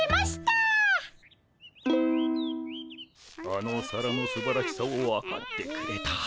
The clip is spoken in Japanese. あのお皿のすばらしさを分かってくれた。